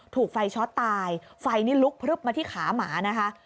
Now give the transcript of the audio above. ถูกไฟช็อตตายไฟนี่ลุกพลึบมาที่ขาหมานะคะ